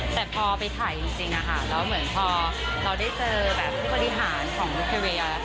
แต่พอไปถ่ายจริงนะคะแล้วเหมือนพอเราได้เจอแบบผู้บริหารของลูกเทเวีย